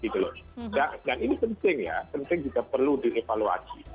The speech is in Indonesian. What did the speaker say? dan ini penting ya penting juga perlu direvaluasi